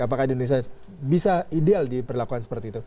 apakah di indonesia bisa ideal diperlakukan seperti itu